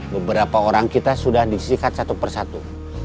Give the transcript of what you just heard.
beberapa orang kita sudah disikat satu persatu